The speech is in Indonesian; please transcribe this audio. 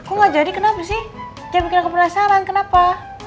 kok engga jadi kenapa sih jangan bikin aku penasaran kenapa